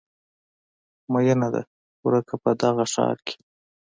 میینه ده ورکه په دغه ښار کې